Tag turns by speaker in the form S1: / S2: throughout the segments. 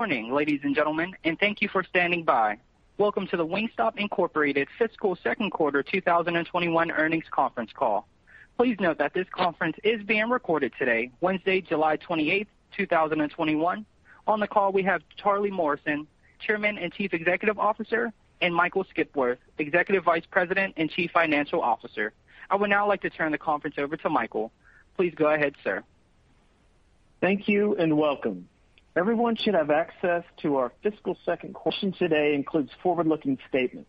S1: Morning, ladies and gentlemen, and thank you for standing by. Welcome to the Wingstop Inc. Fiscal Second Quarter 2021 earnings conference call. Please note that this conference is being recorded today, Wednesday, July 28th, 2021. On the call, we have Charlie Morrison, Chairman and Chief Executive Officer, and Michael Skipworth, Executive Vice President and Chief Financial Officer. I would now like to turn the conference over to Michael. Please go ahead, sir.
S2: Thank you, and welcome. Everyone should have access to our fiscal second quarter discussion. Today includes forward-looking statements.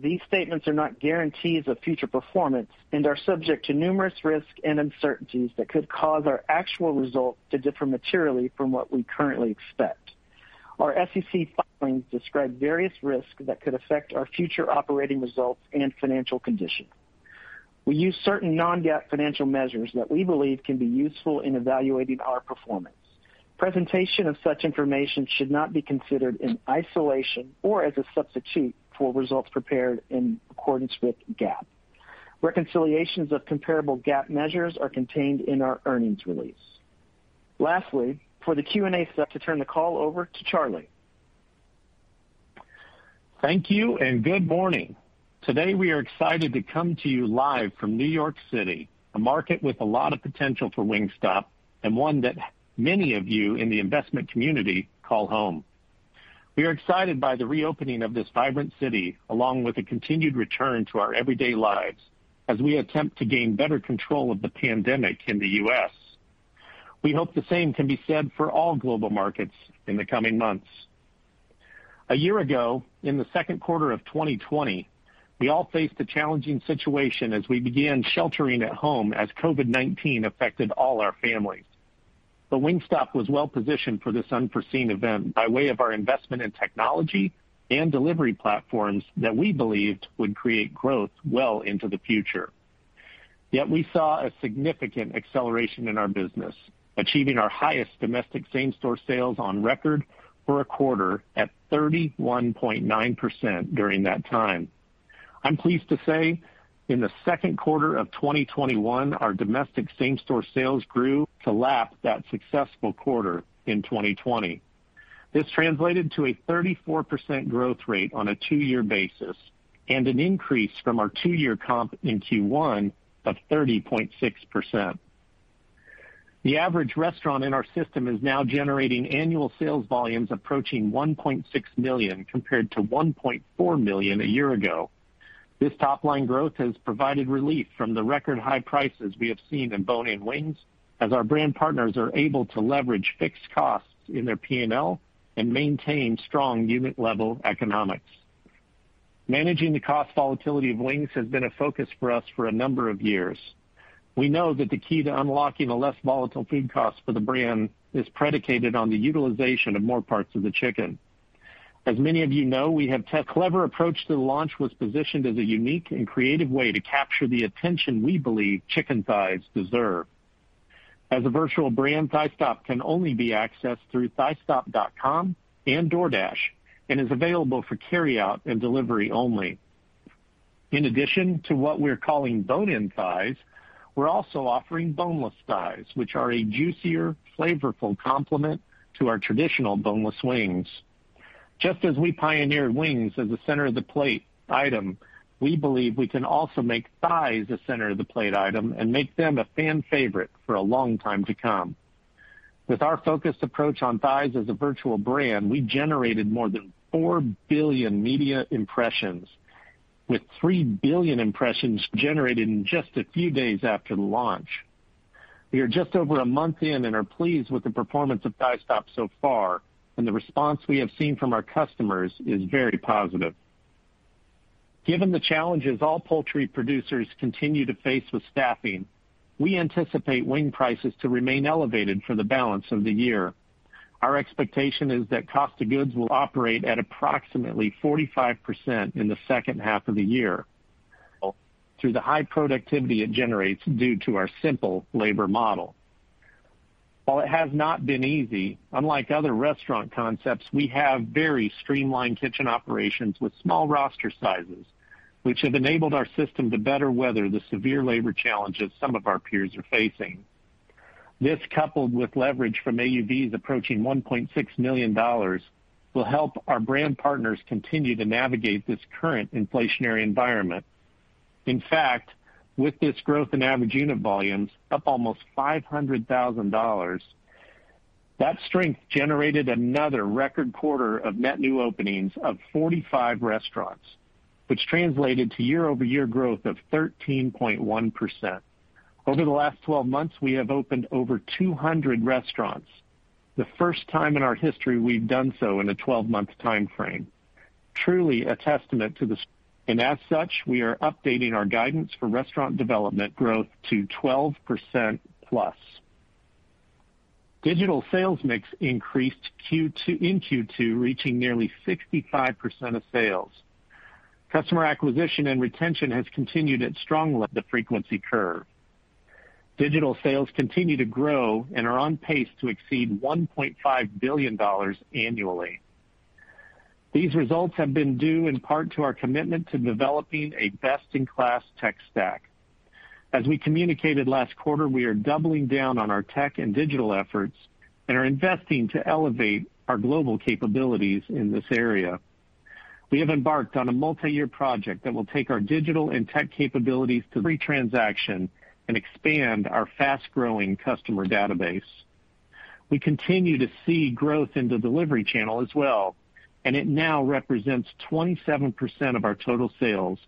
S2: These statements are not guarantees of future performance and are subject to numerous risks and uncertainties that could cause our actual results to differ materially from what we currently expect. Our SEC filings describe various risks that could affect our future operating results and financial condition. We use certain non-GAAP financial measures that we believe can be useful in evaluating our performance. Presentation of such information should not be considered in isolation or as a substitute for results prepared in accordance with GAAP. Reconciliations of comparable GAAP measures are contained in our earnings release. Lastly, for the Q&A, I'd like to turn the call over to Charlie.
S3: Thank you and good morning. Today, we are excited to come to you live from New York City, a market with a lot of potential for Wingstop, and one that many of you in the investment community call home. We are excited by the reopening of this vibrant city, along with a continued return to our everyday lives as we attempt to gain better control of the pandemic in the U.S. We hope the same can be said for all global markets in the coming months. A year ago, in the second quarter of 2020, we all faced a challenging situation as we began sheltering at home as COVID-19 affected all our families. Wingstop was well positioned for this unforeseen event by way of our investment in technology and delivery platforms that we believed would create growth well into the future. Yet we saw a significant acceleration in our business, achieving our highest domestic same-store sales on record for a quarter at 31.9% during that time. I'm pleased to say, in Q2 2021, our domestic same-store sales grew to lap that successful quarter in 2020. This translated to a 34% growth rate on a two-year basis and an increase from our two-year comp in Q1 of 30.6%. The average restaurant in our system is now generating annual sales volumes approaching $1.6 million, compared to $1.4 million a year ago. This top-line growth has provided relief from the record high prices we have seen in bone-in wings, as our brand partners are able to leverage fixed costs in their P&L and maintain strong unit-level economics. Managing the cost volatility of wings has been a focus for us for a number of years. We know that the key to unlocking a less volatile food cost for the brand is predicated on the utilization of more parts of the chicken. As many of you know, we have clever approach to the launch was positioned as a unique and creative way to capture the attention we believe chicken thighs deserve. As a virtual brand, Thighstop can only be accessed through thighstop.com and DoorDash and is available for carryout and delivery only. In addition to what we're calling bone-in thighs, we're also offering boneless thighs, which are a juicier, flavorful complement to our traditional boneless wings. Just as we pioneered wings as a center of the plate item, we believe we can also make thighs a center of the plate item and make them a fan favorite for a long time to come. With our focused approach on thighs as a virtual brand, we generated more than 4 billion media impressions, with 3 billion impressions generated in just a few days after launch. We are just over a month in and are pleased with the performance of Thighstop so far, and the response we have seen from our customers is very positive. Given the challenges all poultry producers continue to face with staffing, we anticipate wing prices to remain elevated for the balance of the year. Our expectation is that cost of goods will operate at approximately 45% in the second half of the year through the high productivity it generates due to our simple labor model. While it has not been easy, unlike other restaurant concepts, we have very streamlined kitchen operations with small roster sizes, which have enabled our system to better weather the severe labor challenges some of our peers are facing. This, coupled with leverage from AUVs approaching $1.6 million, will help our brand partners continue to navigate this current inflationary environment. In fact, with this growth in average unit volumes, up almost $500,000, that strength generated another record quarter of net new openings of 45 restaurants, which translated to year-over-year growth of 13.1%. Over the last 12 months, we have opened over 200 restaurants, the first time in our history we've done so in a 12-month timeframe. Truly a testament to the. As such, we are updating our guidance for restaurant development growth to 12%+. Digital sales mix increased in Q2, reaching nearly 65% of sales. Customer acquisition and retention has continued at strong The frequency curve. Digital sales continue to grow and are on pace to exceed $1.5 billion annually. These results have been due in part to our commitment to developing a best-in-class tech stack. As we communicated last quarter, we are doubling down on our tech and digital efforts and are investing to elevate our global capabilities in this area. We have embarked on a multi-year project that will take our digital and tech capabilities to pre-transaction and expand our fast-growing customer database. We continue to see growth in the delivery channel as well, and it now represents 27% of our total sales,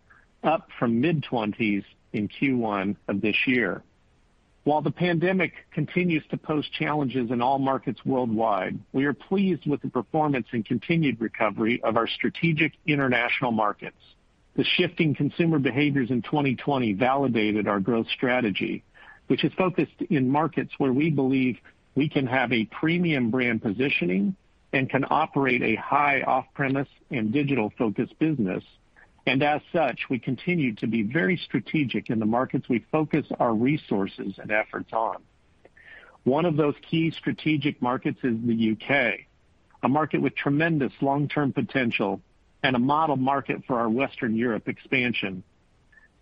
S3: up from mid-20s in Q1 of this year. While the pandemic continues to pose challenges in all markets worldwide, we are pleased with the performance and continued recovery of our strategic international markets. The shifting consumer behaviors in 2020 validated our growth strategy, which is focused in markets where we believe we can have a premium brand positioning and can operate a high off-premise and digital-focused business. As such, we continue to be very strategic in the markets we focus our resources and efforts on. One of those key strategic markets is the U.K., a market with tremendous long-term potential and a model market for our Western Europe expansion.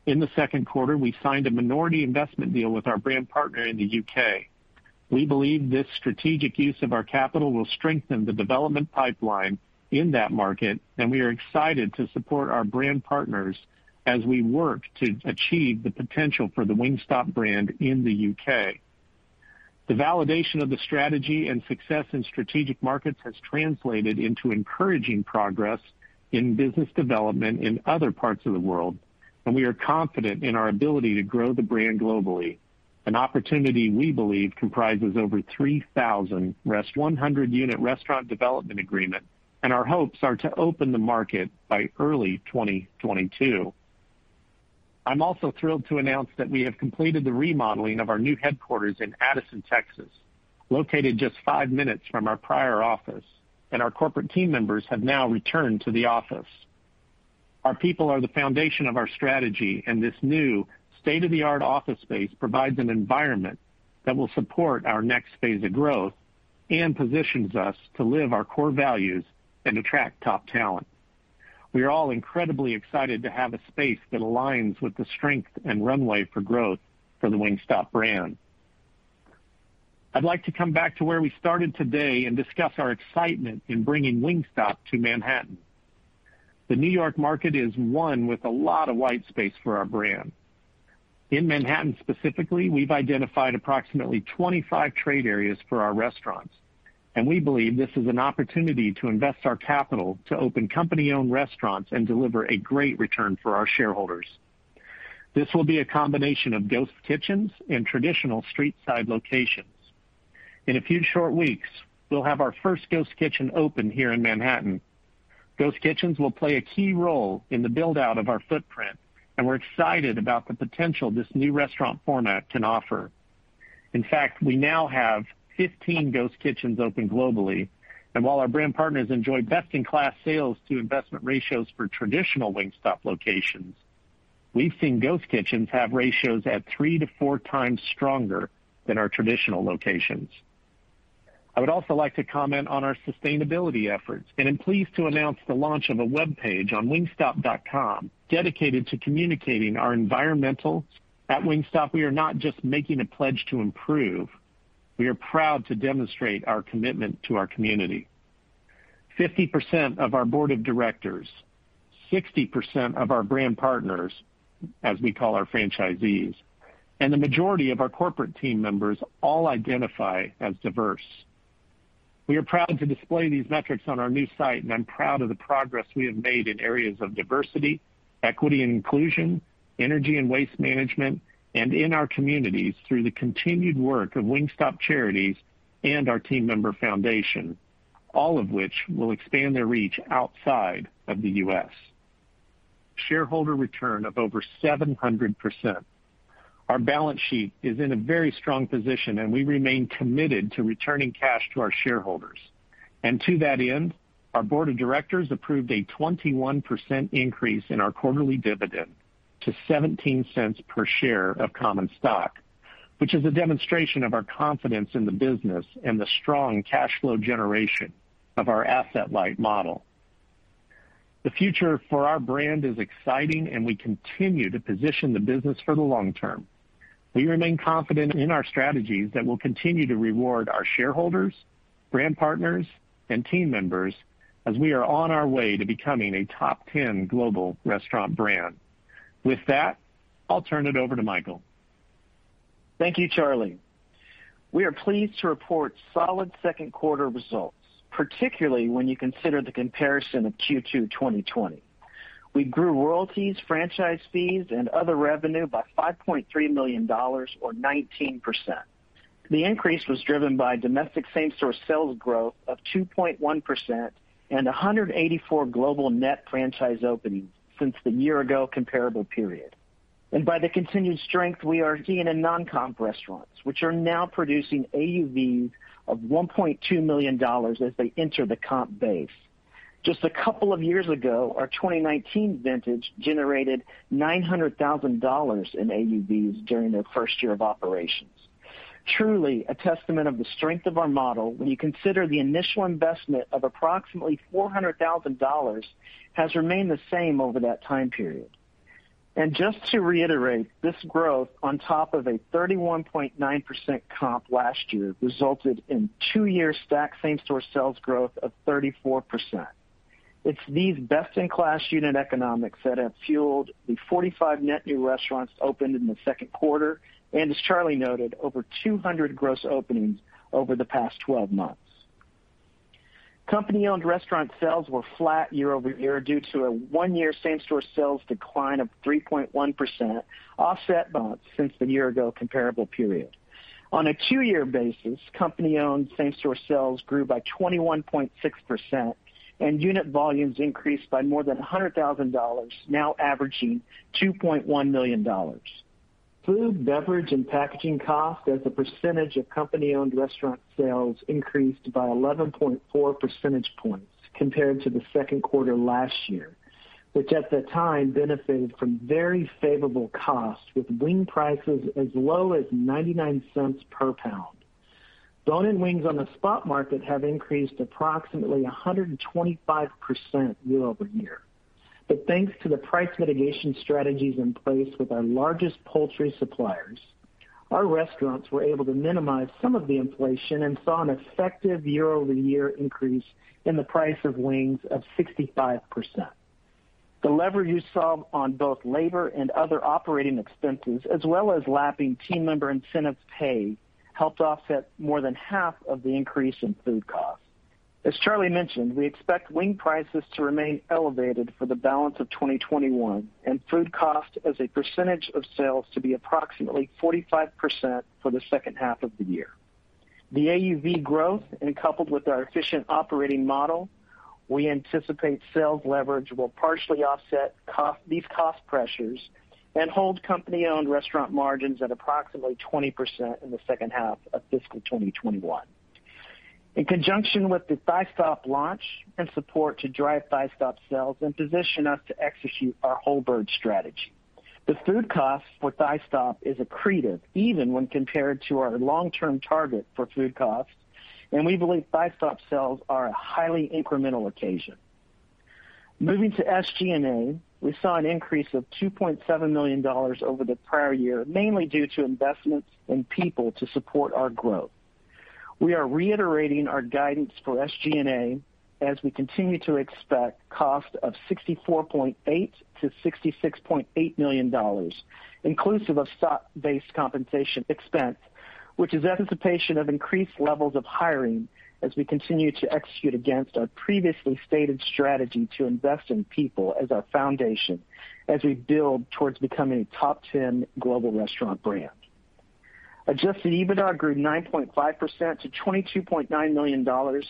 S3: In the second quarter, we signed a minority investment deal with our brand partner in the U.K. We believe this strategic use of our capital will strengthen the development pipeline in that market, and we are excited to support our brand partners as we work to achieve the potential for the Wingstop brand in the U.K. The validation of the strategy and success in strategic markets has translated into encouraging progress in business development in other parts of the world. We are confident in our ability to grow the brand globally, an opportunity we believe comprises over 3,000 rest 100-unit restaurant development agreement. Our hopes are to open the market by early 2022. I'm also thrilled to announce that we have completed the remodeling of our new headquarters in Addison, Texas, located just 5 minutes from our prior office. Our corporate team members have now returned to the office. Our people are the foundation of our strategy. This new state-of-the-art office space provides an environment that will support our next phase of growth and positions us to live our core values and attract top talent. We are all incredibly excited to have a space that aligns with the strength and runway for growth for the Wingstop brand. I'd like to come back to where we started today and discuss our excitement in bringing Wingstop to Manhattan. The New York market is one with a lot of white space for our brand. In Manhattan specifically, we've identified approximately 25 trade areas for our restaurants, and we believe this is an opportunity to invest our capital to open company-owned restaurants and deliver a great return for our shareholders. This will be a combination of ghost kitchens and traditional street-side locations. In a few short weeks, we'll have our first ghost kitchen open here in Manhattan. Ghost kitchens will play a key role in the build-out of our footprint, and we're excited about the potential this new restaurant format can offer. In fact, we now have 15 ghost kitchens open globally, and while our brand partners enjoy best-in-class sales to investment ratios for traditional Wingstop locations, we've seen ghost kitchens have ratios at 3x to 4x stronger than our traditional locations. I would also like to comment on our sustainability efforts, and am pleased to announce the launch of a webpage on wingstop.com dedicated to communicating our environmental. At Wingstop, we are not just making a pledge to improve. We are proud to demonstrate our commitment to our community. 50% of our board of directors, 60% of our brand partners, as we call our franchisees, and the majority of our corporate team members all identify as diverse. We are proud to display these metrics on our new site, and I'm proud of the progress we have made in areas of diversity, equity, and inclusion, energy and waste management, and in our communities through the continued work of Wingstop Charities and our Team Member Foundation, all of which will expand their reach outside of the U.S. Shareholder return of over 700%. Our balance sheet is in a very strong position, and we remain committed to returning cash to our shareholders. To that end, our board of directors approved a 21% increase in our quarterly dividend to $0.17 per share of common stock, which is a demonstration of our confidence in the business and the strong cash flow generation of our asset-light model. The future for our brand is exciting, and we continue to position the business for the long-term. We remain confident in our strategies that will continue to reward our shareholders, brand partners, and team members as we are on our way to becoming a top 10 global restaurant brand. With that, I'll turn it over to Michael.
S2: Thank you, Charlie. We are pleased to report solid second quarter results, particularly when you consider the comparison of Q2 2020. We grew royalties, franchise fees, and other revenue by $5.3 million, or 19%. The increase was driven by domestic same-store sales growth of 2.1% and 184 global net franchise openings since the year-ago comparable period. By the continued strength we are seeing in non-comp restaurants, which are now producing AUVs of $1.2 million as they enter the comp base. Just a couple of years ago, our 2019 vintage generated $900,000 in AUVs during their first year of operations. Truly a testament of the strength of our model when you consider the initial investment of approximately $400,000 has remained the same over that time period. Just to reiterate, this growth on top of a 31.9% comp last year resulted in two years stacked same-store sales growth of 34%. It's these best-in-class unit economics that have fueled the 45 net new restaurants opened in the second quarter, and as Charlie noted, over 200 gross openings over the past 12 months. Company-owned restaurant sales were flat year-over-year due to a one-year same-store sales decline of 3.1%, offset by since the year ago comparable period. On a two-year basis, Company-owned same-store sales grew by 21.6%, and unit volumes increased by more than $100,000, now averaging $2.1 million. Food, beverage, and packaging cost as a percentage of Company-owned restaurant sales increased by 11.4 percentage points compared to the second quarter last year, which at the time benefited from very favorable costs with wing prices as low as $0.99 per pound. Bone-in wings on the spot market have increased approximately 125% year-over-year. Thanks to the price mitigation strategies in place with our largest poultry suppliers, our restaurants were able to minimize some of the inflation and saw an effective year-over-year increase in the price of wings of 65%. The lever you saw on both labor and other operating expenses, as well as lapping team member incentives paid, helped offset more than half of the increase in food costs. As Charlie mentioned, we expect wing prices to remain elevated for the balance of 2021 and food cost as a percentage of sales to be approximately 45% for the second half of the year. The AUV growth and coupled with our efficient operating model, we anticipate sales leverage will partially offset these cost pressures and hold company owned restaurant margins at approximately 20% in the second half of fiscal 2021. In conjunction with the Wingstop launch and support to drive Wingstop sales and position us to execute our whole bird strategy. The food cost for Wingstop is accretive even when compared to our long term target for food costs, and we believe Wingstop sales are a highly incremental occasion. Moving to SG&A, we saw an increase of $2.7 million over the prior year, mainly due to investments in people to support our growth. We are reiterating our guidance for SG&A as we continue to expect cost of $64.8 million-$66.8 million, inclusive of stock-based compensation expense, which is anticipation of increased levels of hiring as we continue to execute against our previously stated strategy to invest in people as our foundation as we build towards becoming a top 10 global restaurant brand. Adjusted EBITDA grew 9.5% to $22.9 million.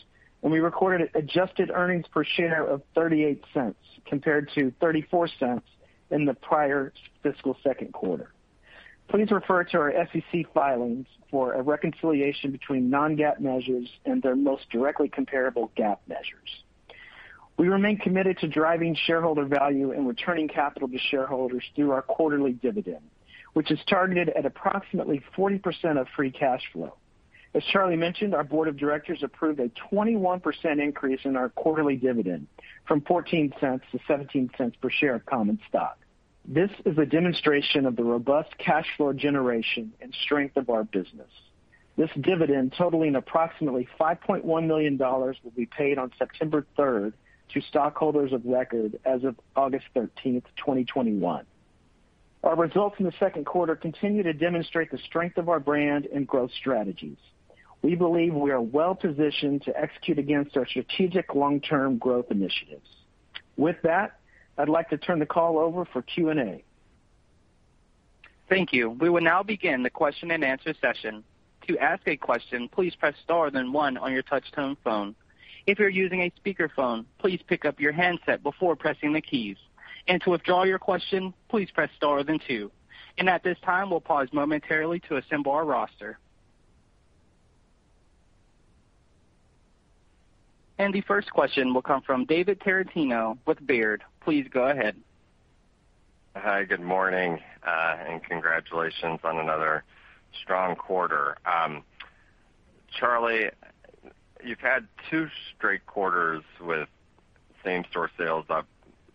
S2: We recorded adjusted earnings per share of $0.38 compared to $0.34 in the prior fiscal second quarter. Please refer to our SEC filings for a reconciliation between non-GAAP measures and their most directly comparable GAAP measures. We remain committed to driving shareholder value and returning capital to shareholders through our quarterly dividend, which is targeted at approximately 40% of free cash flow. As Charlie mentioned, our board of directors approved a 21% increase in our quarterly dividend from $0.14-$0.17 per share of common stock. This is a demonstration of the robust cash flow generation and strength of our business. This dividend totaling approximately $5.1 million will be paid on September 3rd to stockholders of record as of August 13th, 2021. Our results in the second quarter continue to demonstrate the strength of our brand and growth strategies. We believe we are well positioned to execute against our strategic long-term growth initiatives. With that, I'd like to turn the call over for Q&A.
S1: Thank you. We will now begin the question and answer session. To ask a question please press star then one on your touchtone phone. If you are using a speakerphone please pick up your handset before pressing the key, and to withdraw your question please press star then two. At this time, we'll pause momentarily to assemble our roster. The first question will come from David Tarantino with Baird. Please go ahead.
S4: Hi, good morning. Congratulations on another strong quarter. Charlie, you've had two straight quarters with same store sales up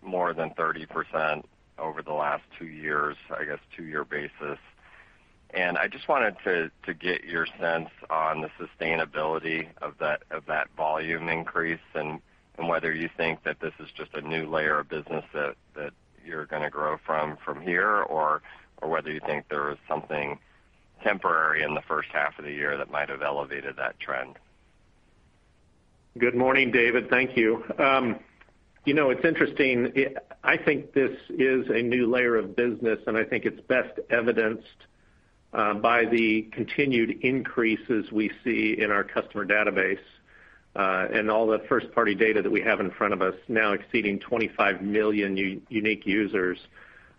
S4: more than 30% over the last two years, I guess, two year basis. I just wanted to get your sense on the sustainability of that volume increase and whether you think that this is just a new layer of business that you're going to grow from here or whether you think there is something temporary in the first half of the year that might have elevated that trend.
S3: Good morning, David. Thank you. It's interesting. I think this is a new layer of business, and I think it's best evidenced by the continued increases we see in our customer database, and all the first party data that we have in front of us now exceeding 25 million unique users.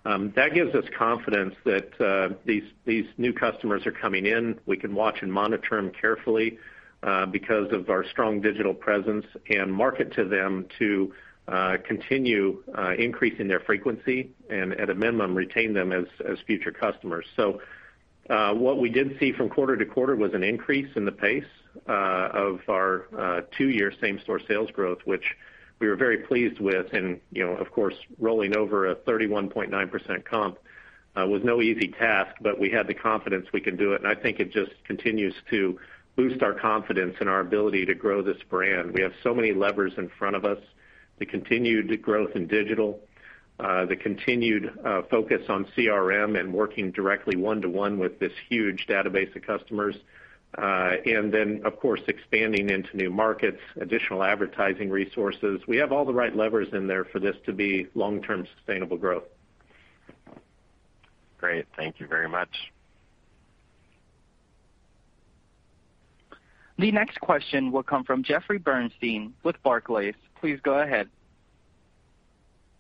S3: That gives us confidence that these new customers are coming in. We can watch and monitor them carefully because of our strong digital presence and market to them to continue increasing their frequency and at a minimum retain them as future customers. What we did see from quarter-to-quarter was an increase in the pace of our two-year same-store sales growth, which we were very pleased with. Of course, rolling over a 31.9% comp was no easy task, but we had the confidence we could do it, and I think it just continues to boost our confidence in our ability to grow this brand. We have so many levers in front of us. The continued growth in digital, the continued focus on CRM and working directly one-to-one with this huge database of customers. Then, of course, expanding into new markets, additional advertising resources. We have all the right levers in there for this to be long-term sustainable growth.
S4: Great. Thank you very much.
S1: The next question will come from Jeffrey Bernstein with Barclays. Please go ahead.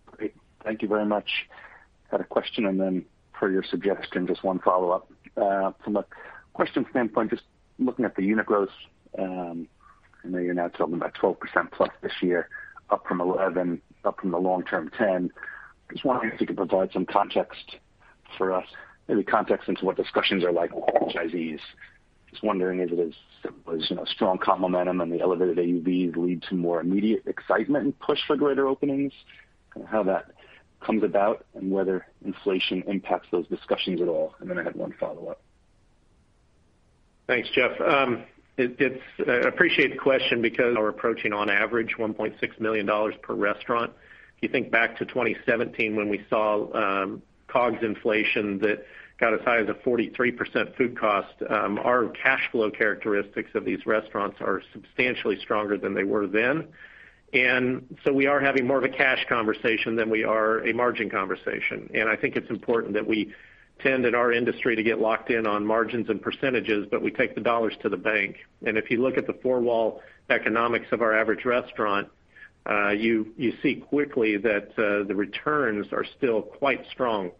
S5: Great. Thank you very much. Got a question, and then per your suggestion, just one follow-up. From a question standpoint, just looking at the unit growth, I know you're now talking about 12%+ this year, up from 11%, up from the long-term 10%. I was wondering if you could provide some context for us, maybe context into what discussions are like with franchisees. Just wondering if it is strong comp momentum and the elevated AUV lead to more immediate excitement and push for greater openings, and how that comes about and whether inflation impacts those discussions at all. Then I have one follow-up.
S3: Thanks, Jeff. I appreciate the question because we're approaching on average $1.6 million per restaurant. If you think back to 2017 when we saw COGS inflation that got as high as a 43% food cost, our cash flow characteristics of these restaurants are substantially stronger than they were then. We are having more of a cash conversation than we are a margin conversation. I think it's important that we tend in our industry to get locked in on margins and percentages, but we take the dollars to the bank. If you look at the four-wall economics of our average restaurant, you see quickly that the returns are still quite strong.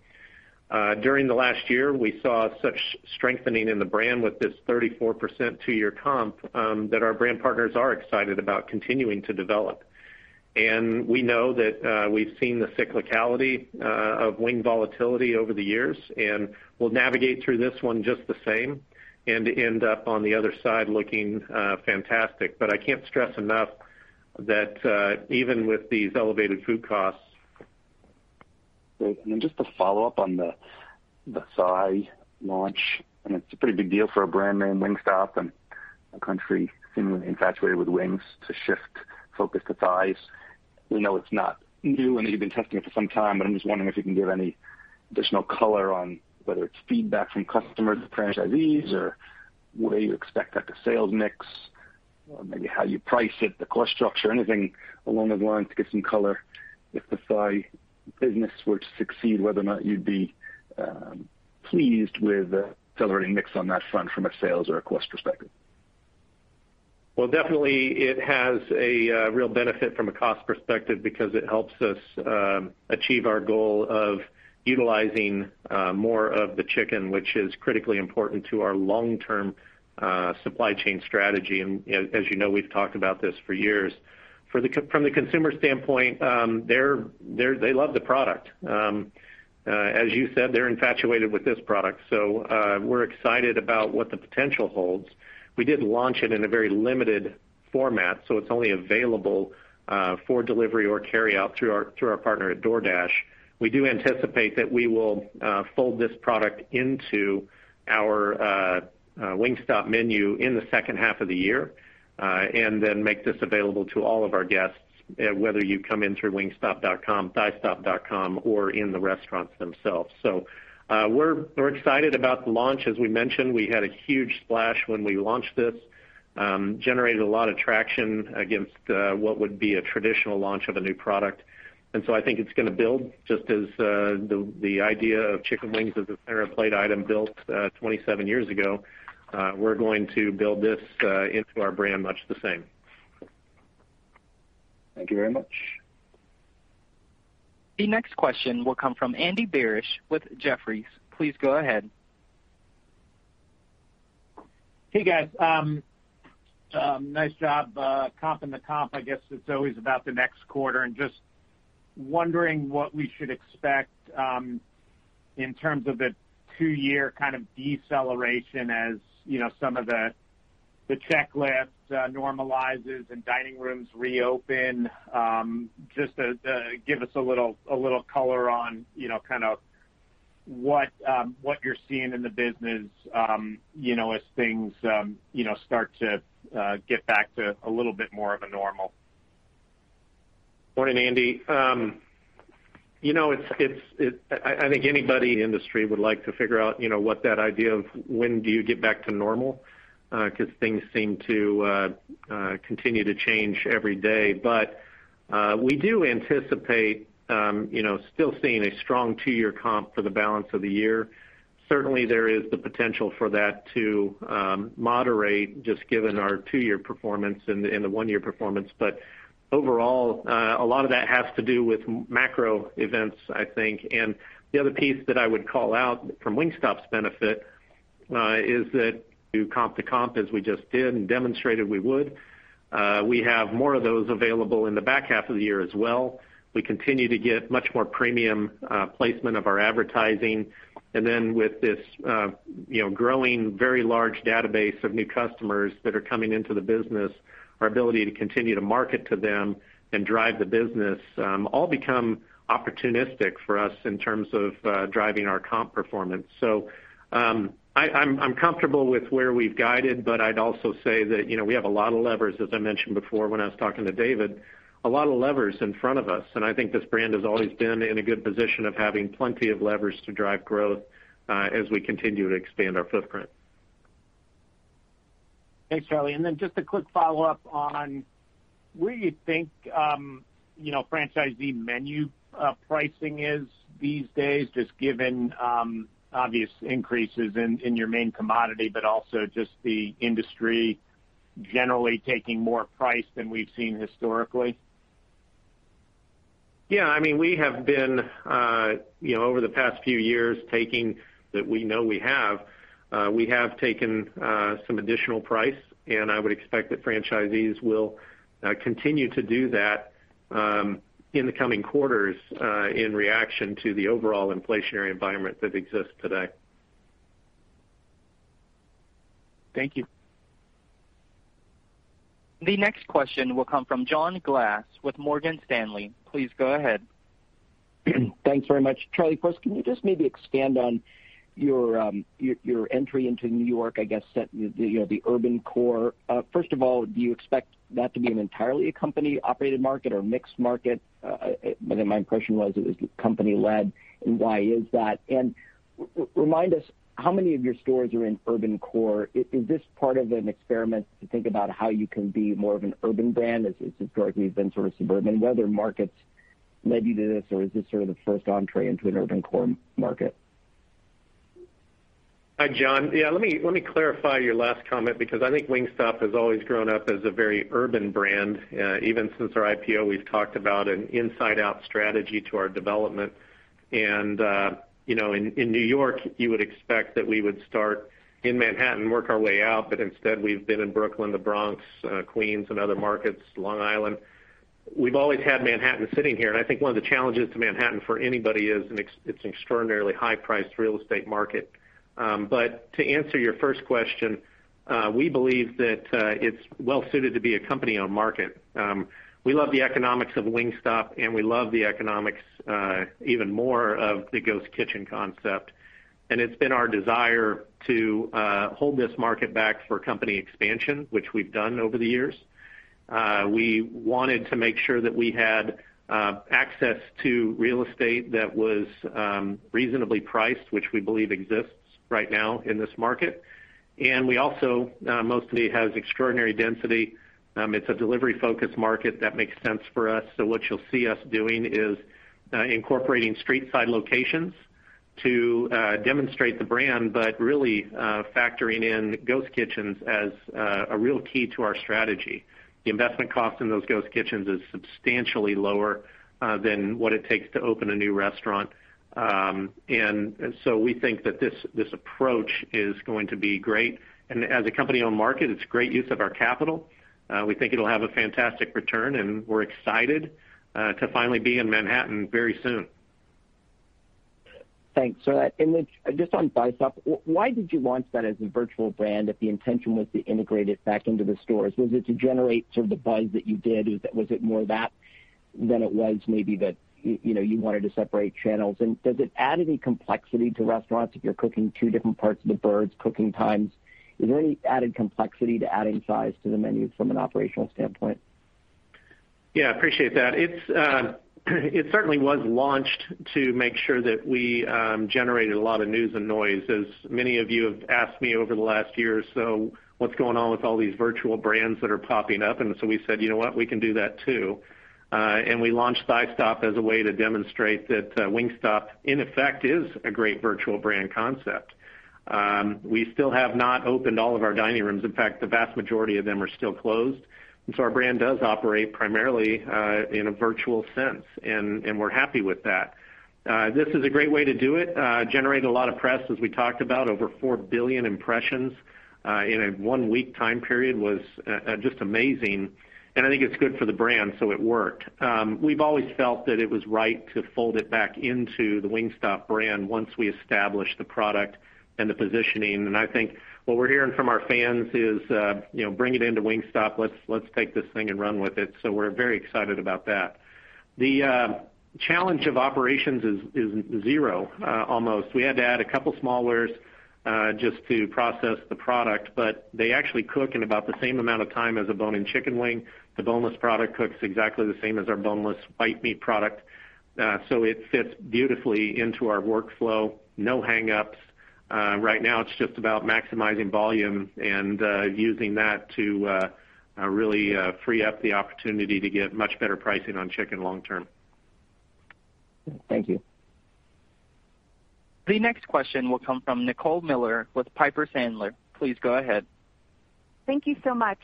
S3: During the last year, we saw such strengthening in the brand with this 34% two-year comp, that our brand partners are excited about continuing to develop. We know that we've seen the cyclicality of wing volatility over the years, and we'll navigate through this one just the same and end up on the other side looking fantastic. I can't stress enough that even with these elevated food costs.
S5: Great. Just to follow up on the Thighstop launch, it's a pretty big deal for a brand named Wingstop and a country seemingly infatuated with wings to shift focus to thighs. We know it's not new, and that you've been testing it for some time, but I'm just wondering if you can give any additional color on whether it's feedback from customers or franchisees, or where you expect that the sales mix, or maybe how you price it, the cost structure, anything along those lines to give some color if the thigh business were to succeed, whether or not you'd be pleased with the accelerating mix on that front from a sales or a cost perspective.
S3: Well, definitely it has a real benefit from a cost perspective because it helps us achieve our goal of utilizing more of the chicken, which is critically important to our long-term supply chain strategy. As you know, we've talked about this for years. From the consumer standpoint, they love the product. As you said, they're infatuated with this product. We're excited about what the potential holds. We did launch it in a very limited format, so it's only available for delivery or carry out through our partner at DoorDash. We do anticipate that we will fold this product into our Wingstop menu in the second half of the year. Make this available to all of our guests, whether you come in through wingstop.com, thighstop.com, or in the restaurants themselves. We're excited about the launch. As we mentioned, we had a huge splash when we launched this. Generated a lot of traction against what would be a traditional launch of a new product. I think it's going to build just as the idea of chicken wings as a center plate item built 27 years ago. We're going to build this into our brand much the same.
S5: Thank you very much.
S1: The next question will come from Andy Barish with Jefferies. Please go ahead.
S6: Hey, guys. Nice job. Comping the comp, I guess it's always about the next quarter. Just wondering what we should expect in terms of the two-year kind of deceleration as some of the checklist normalizes and dining rooms reopen. Just give us a little color on kind of what you're seeing in the business as things start to get back to a little bit more of a normal.
S3: Morning, Andy. I think anybody in the industry would like to figure out what that idea of when do you get back to normal, because things seem to continue to change every day. We do anticipate still seeing a strong two-year comp for the balance of the year. Certainly, there is the potential for that to moderate just given our two-year performance and the one-year performance. Overall, a lot of that has to do with macro events, I think. The other piece that I would call out from Wingstop's benefit is that do comp to comp as we just did and demonstrated we would. We have more of those available in the back half of the year as well. We continue to get much more premium placement of our advertising. With this growing, very large database of new customers that are coming into the business, our ability to continue to market to them and drive the business all become opportunistic for us in terms of driving our comp performance. I'm comfortable with where we've guided, but I'd also say that we have a lot of levers, as I mentioned before when I was talking to David, a lot of levers in front of us. I think this brand has always been in a good position of having plenty of levers to drive growth as we continue to expand our footprint.
S6: Thanks, Charlie. Just a quick follow-up on where you think franchisee menu pricing is these days, just given obvious increases in your main commodity, but also just the industry generally taking more price than we've seen historically.
S3: Yeah. We have been, over the past few years, that we know we have taken some additional price. I would expect that franchisees will continue to do that in the coming quarters in reaction to the overall inflationary environment that exists today.
S6: Thank you.
S1: The next question will come from John Glass with Morgan Stanley. Please go ahead.
S7: Thanks very much. Charlie, first, can you just maybe expand on your entry into New York, I guess, the urban core. First of all, do you expect that to be an entirely company-operated market or mixed market? My impression was it was company led, and why is that? Remind us, how many of your stores are in urban core? Is this part of an experiment to think about how you can be more of an urban brand, as historically you've been sort of suburban? Whether markets led you to this, or is this sort of the first entrée into an urban core market?
S3: Hi, John. Yeah, let me clarify your last comment because I think Wingstop has always grown up as a very urban brand. Even since our IPO, we've talked about an inside-out strategy to our development. In New York, you would expect that we would start in Manhattan, work our way out, but instead, we've been in Brooklyn, the Bronx, Queens, and other markets, Long Island. We've always had Manhattan sitting here, and I think one of the challenges to Manhattan for anybody is it's an extraordinarily high-priced real estate market. To answer your first question, we believe that it's well suited to be a company-owned market. We love the economics of Wingstop, and we love the economics even more of the ghost kitchen concept, and it's been our desire to hold this market back for company expansion, which we've done over the years. We wanted to make sure that we had access to real estate that was reasonably priced, which we believe exists right now in this market. We also, mostly it has extraordinary density. It's a delivery-focused market that makes sense for us. What you'll see us doing is incorporating street-side locations to demonstrate the brand, but really factoring in ghost kitchens as a real key to our strategy. The investment cost in those ghost kitchens is substantially lower than what it takes to open a new restaurant. We think that this approach is going to be great. As a company-owned market, it's a great use of our capital. We think it'll have a fantastic return, and we're excited to finally be in Manhattan very soon.
S7: Thanks. Just on Thighstop, why did you launch that as a virtual brand if the intention was to integrate it back into the stores? Was it to generate sort of the buzz that you did? Was it more that than it was maybe that you wanted to separate channels? Does it add any complexity to restaurants if you're cooking two different parts of the birds, cooking times? Is there any added complexity to adding thighs to the menu from an operational standpoint?
S3: Appreciate that. It certainly was launched to make sure that we generated a lot of news and noise, as many of you have asked me over the last year or so, what's going on with all these virtual brands that are popping up? We said, "You know what. We can do that, too." We launched Thighstop as a way to demonstrate that Wingstop, in effect, is a great virtual brand concept. We still have not opened all of our dining rooms. In fact, the vast majority of them are still closed. Our brand does operate primarily in a virtual sense, and we're happy with that. This is a great way to do it. Generated a lot of press, as we talked about, over 4 billion impressions in a one-week time period was just amazing. I think it's good for the brand, so it worked. We've always felt that it was right to fold it back into the Wingstop brand once we established the product and the positioning. I think what we're hearing from our fans is, "Bring it into Wingstop. Let's take this thing and run with it." We're very excited about that. The challenge of operations is zero, almost. We had to add a couple small wares just to process the product, but they actually cook in about the same amount of time as a bone-in chicken wing. The boneless product cooks exactly the same as our boneless white meat product. It fits beautifully into our workflow. No hang-ups. Right now it's just about maximizing volume and using that to really free up the opportunity to get much better pricing on chicken long-term.
S7: Thank you.
S1: The next question will come from Nicole Miller with Piper Sandler. Please go ahead.
S8: Thank you so much.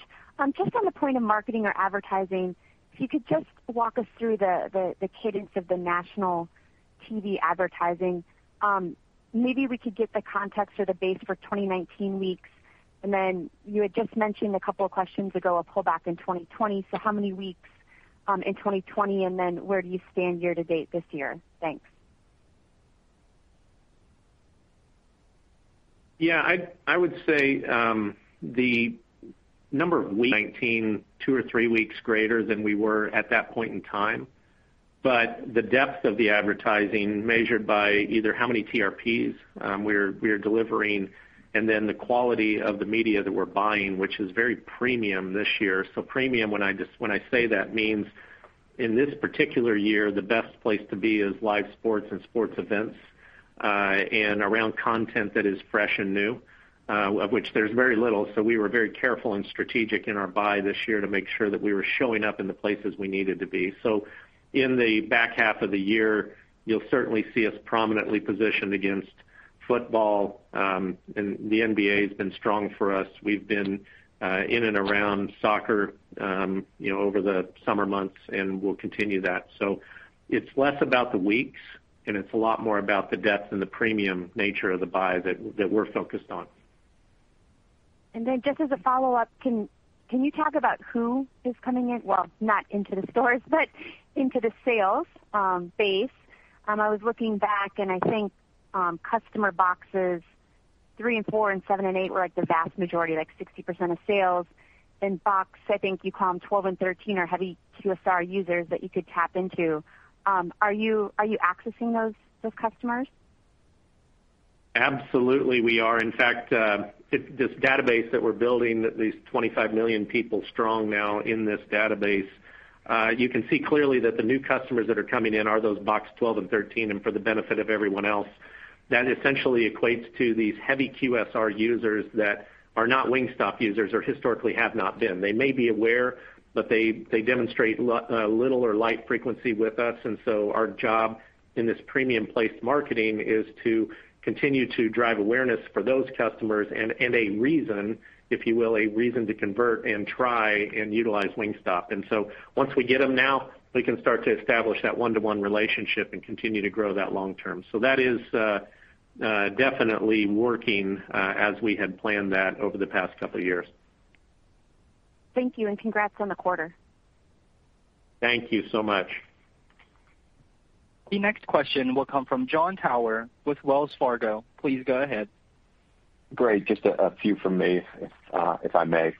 S8: Just on the point of marketing or advertising, if you could just walk us through the cadence of the national. TV advertising. Maybe we could get the context or the base for 2019 weeks, and then you had just mentioned a couple of questions ago, a pullback in 2020. How many weeks in 2020, and then where do you stand year to date this year? Thanks.
S3: I would say the number of weeks 2019, two or three weeks greater than we were at that point in time. The depth of the advertising measured by either how many TRPs we're delivering and then the quality of the media that we're buying, which is very premium this year. Premium, when I say that means in this particular year, the best place to be is live sports and sports events, and around content that is fresh and new, of which there's very little. We were very careful and strategic in our buy this year to make sure that we were showing up in the places we needed to be. In the back half of the year, you'll certainly see us prominently positioned against football. The NBA has been strong for us. We've been in and around soccer over the summer months, and we'll continue that. It's less about the weeks, and it's a lot more about the depth and the premium nature of the buy that we're focused on.
S8: Then just as a follow-up, can you talk about who is coming in? Well, not into the stores, but into the sales base. I was looking back, and I think customer boxes three and four and seven and eight were like the vast majority, like 60% of sales. Box, I think you call them 12 and 13, are heavy QSR users that you could tap into. Are you accessing those customers?
S3: Absolutely, we are. In fact, this database that we're building, at least 25 million people strong now in this database. You can see clearly that the new customers that are coming in are those box 12 and 13. For the benefit of everyone else. That essentially equates to these heavy QSR users that are not Wingstop users or historically have not been. They may be aware, they demonstrate little or light frequency with us. Our job in this premium place marketing is to continue to drive awareness for those customers and a reason, if you will, a reason to convert and try and utilize Wingstop. Once we get them now, we can start to establish that one-to-one relationship and continue to grow that long-term. That is definitely working as we had planned that over the past couple of years.
S8: Thank you, and congrats on the quarter.
S3: Thank you so much.
S1: The next question will come from Jon Tower with Wells Fargo. Please go ahead.
S9: Great. Just a few from me, if I may.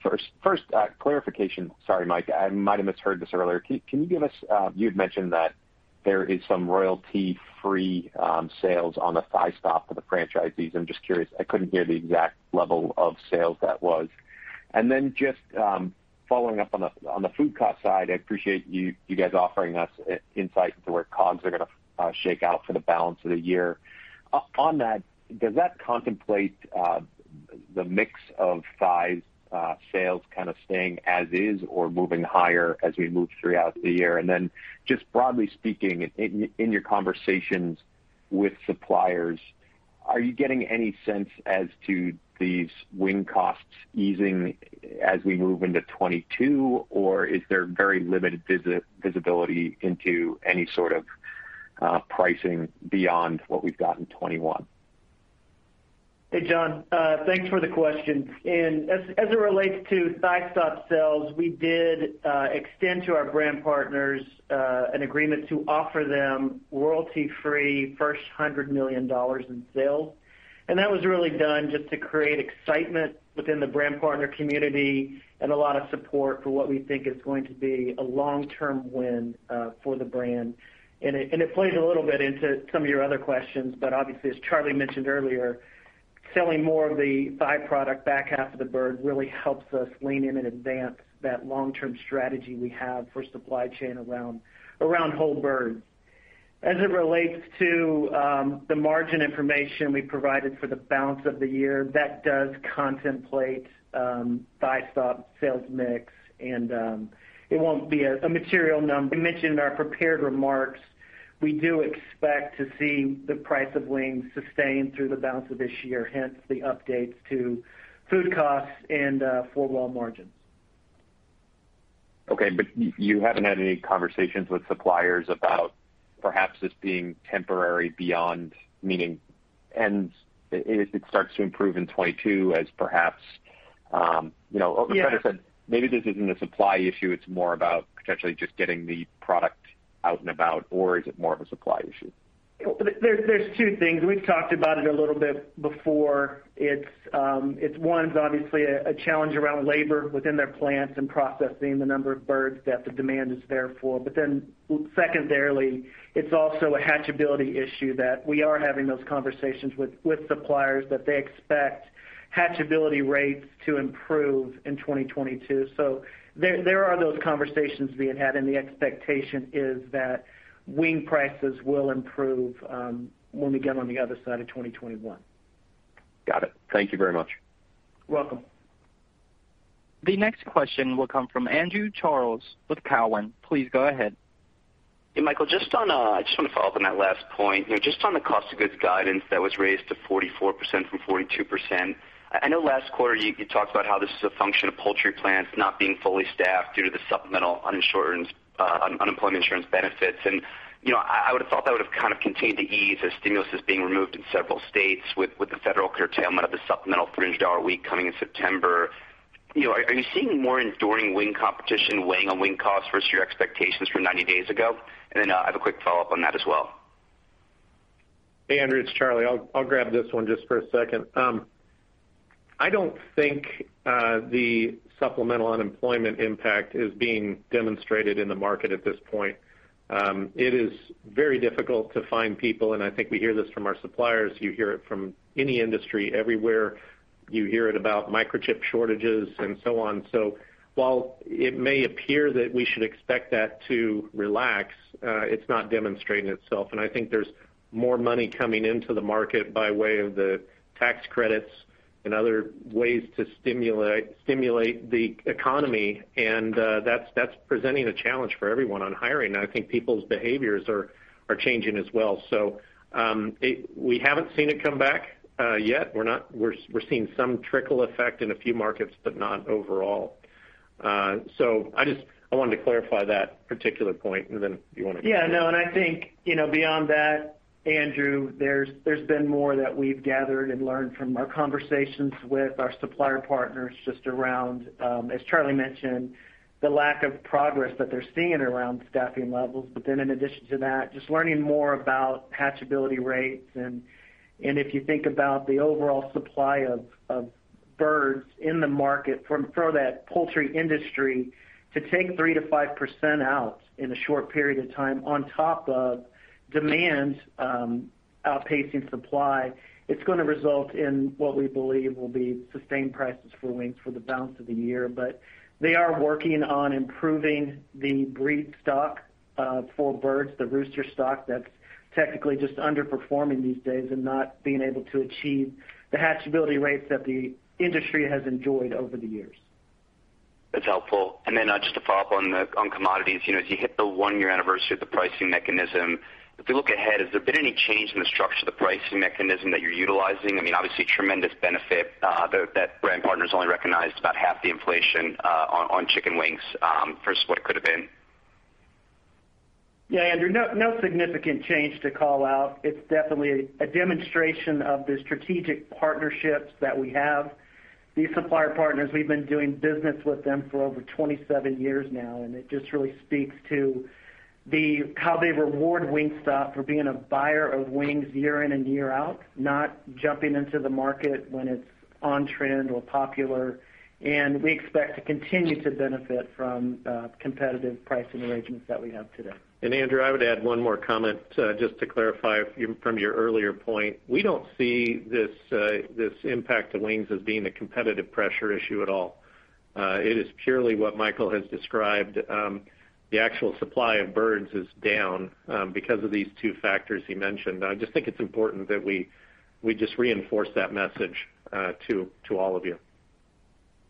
S9: First, clarification. Sorry, Mike, I might have misheard this earlier. You had mentioned that there is some royalty-free sales on the Thighstop for the franchisees. I'm just curious, I couldn't hear the exact level of sales that was. Just following up on the food cost side, I appreciate you guys offering us insight into where COGS are going to shake out for the balance of the year. On that, does that contemplate the mix of thighs sales kind of staying as is or moving higher as we move throughout the year? Just broadly speaking, in your conversations with suppliers, are you getting any sense as to these wing costs easing as we move into 2022, or is there very limited visibility into any sort of pricing beyond what we've got in 2021?
S3: Hey, John. Thanks for the question. As it relates to Thighstop sales, we did extend to our brand partners an agreement to offer them royalty-free first $100 million in sales. That was really done just to create excitement within the brand partner community and a lot of support for what we think is going to be a long-term win for the brand. It plays a little bit into some of your other questions, but obviously, as Charlie mentioned earlier, selling more of the thigh product back half of the bird really helps us lean in and advance that long-term strategy we have for supply chain around whole birds. As it relates to the margin information we provided for the balance of the year, that does contemplate Thighstop sales mix, and it won't be a material number. We mentioned in our prepared remarks, we do expect to see the price of wings sustained through the balance of this year, hence the updates to food costs and four wall margins.
S9: Okay, you haven't had any conversations with suppliers about perhaps this being temporary beyond meaning, and if it starts to improve in 2022 as perhaps, like I said, maybe this isn't a supply issue, it's more about potentially just getting the product out and about, or is it more of a supply issue?
S3: There's two things. We've talked about it a little bit before. One is obviously a challenge around labor within their plants and processing the number of birds that the demand is there for. Secondarily, it's also a hatchability issue that we are having those conversations with suppliers that they expect hatchability rates to improve in 2022. There are those conversations being had, and the expectation is that wing prices will improve when we get on the other side of 2021.
S9: Got it. Thank you very much.
S3: Welcome.
S1: The next question will come from Andrew Charles with Cowen. Please go ahead.
S10: Hey, Michael, I just want to follow up on that last point. Just on the cost of goods guidance that was raised to 44% from 42%. I know last quarter you talked about how this is a function of poultry plants not being fully staffed due to the supplemental unemployment insurance benefits. I would have thought that would have kind of continued to ease as stimulus is being removed in several states with the federal curtailment of the supplemental $300 a week coming in September. Are you seeing more enduring wing competition weighing on wing costs versus your expectations from 90 days ago? Then I have a quick follow-up on that as well.
S3: Hey, Andrew, it's Charlie. I'll grab this one just for a second. I don't think the supplemental unemployment impact is being demonstrated in the market at this point. It is very difficult to find people, and I think we hear this from our suppliers. You hear it from any industry everywhere. You hear it about microchip shortages and so on. While it may appear that we should expect that to relax, it's not demonstrating itself. I think there's more money coming into the market by way of the tax credits and other ways to stimulate the economy. I think people's behaviors are changing as well. We haven't seen it come back yet. We're seeing some trickle effect in a few markets, but not overall. I just wanted to clarify that particular point. And then do you want to-
S2: I think, beyond that, Andrew, there's been more that we've gathered and learned from our conversations with our supplier partners just around, as Charlie mentioned, the lack of progress that they're seeing around staffing levels. In addition to that, just learning more about hatchability rates and if you think about the overall supply of birds in the market for that poultry industry, to take 3%-5% out in a short period of time on top of demand outpacing supply, it's going to result in what we believe will be sustained prices for wings for the balance of the year. They are working on improving the breed stock for birds, the rooster stock that's technically just underperforming these days and not being able to achieve the hatchability rates that the industry has enjoyed over the years.
S10: That's helpful. Just a follow-up on commodities. As you hit the one-year anniversary of the pricing mechanism, if we look ahead, has there been any change in the structure of the pricing mechanism that you're utilizing? I mean, obviously tremendous benefit, that brand partners only recognized about half the inflation on chicken wings versus what it could have been.
S2: Yeah, Andrew, no significant change to call out. It's definitely a demonstration of the strategic partnerships that we have. These supplier partners, we've been doing business with them for over 27 years now. It just really speaks to how they reward Wingstop for being a buyer of wings year in and year out, not jumping into the market when it's on trend or popular. We expect to continue to benefit from competitive pricing arrangements that we have today.
S3: Andrew, I would add one more comment just to clarify from your earlier point. We don't see this impact to wings as being a competitive pressure issue at all. It is purely what Michael has described. The actual supply of birds is down because of these two factors he mentioned. I just think it's important that we just reinforce that message to all of you.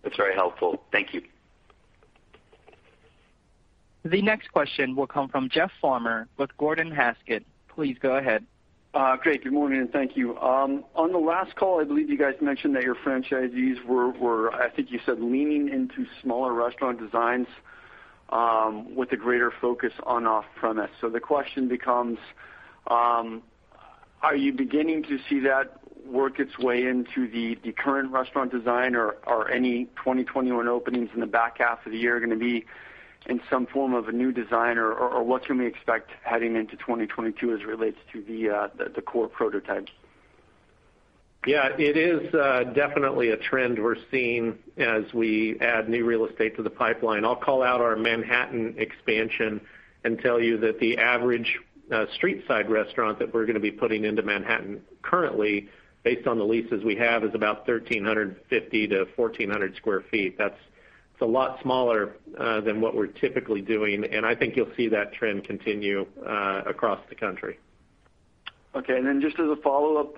S10: That's very helpful. Thank you.
S1: The next question will come from Jeff Farmer with Gordon Haskett. Please go ahead.
S11: Great. Good morning, and thank you. On the last call, I believe you guys mentioned that your franchisees were, I think you said, leaning into smaller restaurant designs with a greater focus on off-premise. The question becomes, are you beginning to see that work its way into the current restaurant design, or are any 2021 openings in the back half of the year going to be in some form of a new design, or what can we expect heading into 2022 as it relates to the core prototypes?
S3: Yeah, it is definitely a trend we're seeing as we add new real estate to the pipeline. I'll call out our Manhattan expansion and tell you that the average street-side restaurant that we're going to be putting into Manhattan currently, based on the leases we have, is about 1,350 sq ft-1,400 sq ft. That's a lot smaller than what we're typically doing, and I think you'll see that trend continue across the country.
S11: Okay, just as a follow-up,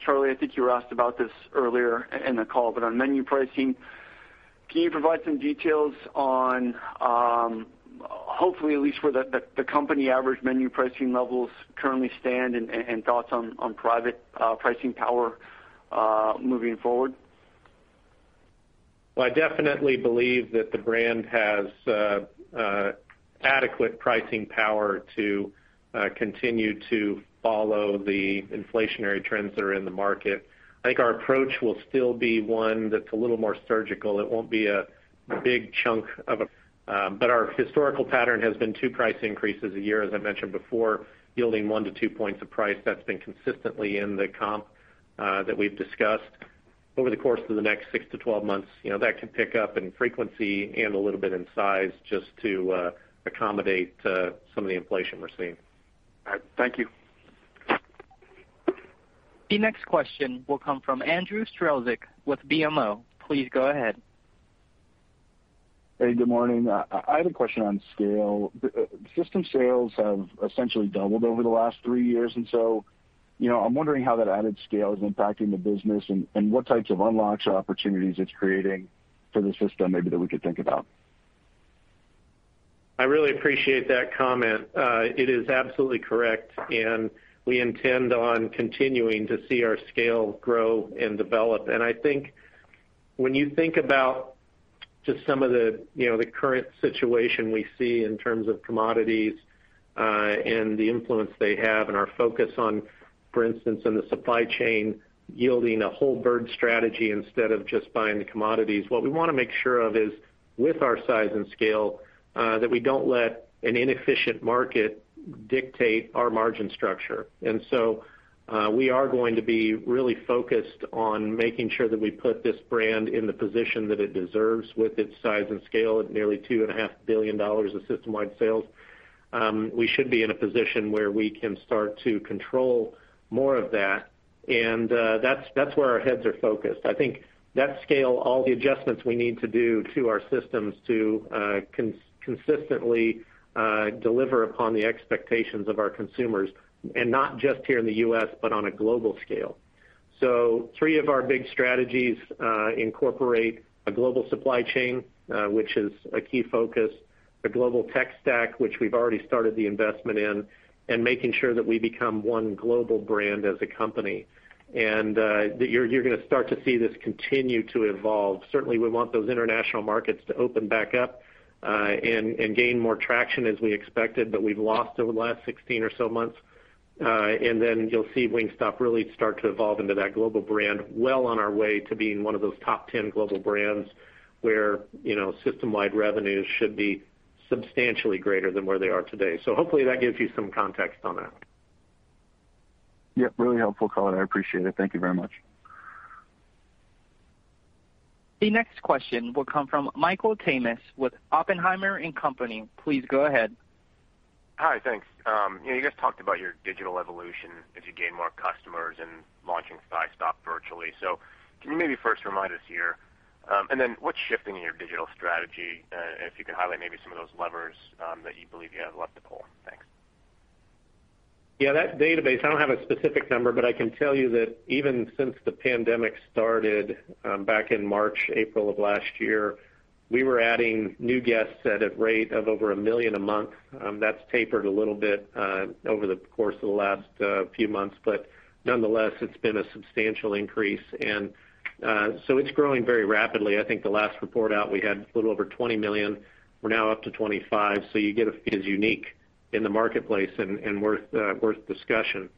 S11: Charlie, I think you were asked about this earlier in the call, on menu pricing, can you provide some details on, hopefully at least where the company average menu pricing levels currently stand and thoughts on private pricing power moving forward?
S3: Well, I definitely believe that the brand has adequate pricing power to continue to follow the inflationary trends that are in the market. I think our approach will still be one that's a little more surgical. It won't be a big chunk. Our historical pattern has been two price increases a year, as I mentioned before, yielding one to two points of price. That's been consistently in the comp that we've discussed. Over the course of the next 6-12 months, that can pick up in frequency and a little bit in size just to accommodate some of the inflation we're seeing.
S11: All right. Thank you.
S1: The next question will come from Andrew Strelzik with BMO. Please go ahead.
S12: Hey, good morning. I had a question on scale. System sales have essentially doubled over the last three years, I'm wondering how that added scale is impacting the business and what types of unlocks or opportunities it's creating for the system maybe that we could think about.
S3: I really appreciate that comment. It is absolutely correct, and we intend on continuing to see our scale grow and develop. I think when you think about just some of the current situation we see in terms of commodities, and the influence they have and our focus on, for instance, in the supply chain yielding a whole bird strategy instead of just buying the commodities, what we want to make sure of is with our size and scale, that we don't let an inefficient market dictate our margin structure. We are going to be really focused on making sure that we put this brand in the position that it deserves with its size and scale at nearly $2.5 billion of system-wide sales. We should be in a position where we can start to control more of that, and that's where our heads are focused. I think that scale, all the adjustments we need to do to our systems to consistently deliver upon the expectations of our consumers, and not just here in the U.S. but on a global scale. Three of our big strategies incorporate a global supply chain, which is a key focus, a global tech stack, which we've already started the investment in, and making sure that we become one global brand as a company. You're going to start to see this continue to evolve. Certainly, we want those international markets to open back up, and gain more traction as we expected, but we've lost over the last 16 or so months. You'll see Wingstop really start to evolve into that global brand well on our way to being one of those top 10 global brands where system-wide revenues should be substantially greater than where they are today. Hopefully that gives you some context on that.
S12: Yep, really helpful, Colin. I appreciate it. Thank you very much.
S1: The next question will come from Michael Tamas with Oppenheimer & Company Please go ahead.
S13: Hi, thanks. You guys talked about your digital evolution as you gain more customers and launching Thighstop virtually. Can you maybe first remind us here, and then what's shifting in your digital strategy? If you could highlight maybe some of those levers, that you believe you have left to pull. Thanks.
S3: That database, I don't have a specific number, but I can tell you that even since the pandemic started back in March, April of last year, we were adding new guests at a rate of over 1 million a month. That's tapered a little bit over the course of the last few months, but nonetheless, it's been a substantial increase. It's growing very rapidly. I think the last report out, we had a little over 20 million. We're now up to 25, so you get a feel. It is unique in the marketplace and worth discussion.